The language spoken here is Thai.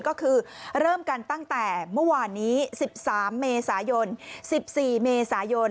ก็คือเริ่มกันตั้งแต่เมื่อวานนี้๑๓เมษายน๑๔เมษายน